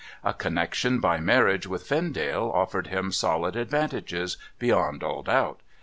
A connection by marriage with Vendale offered him solid advan tages, beyond all doubt.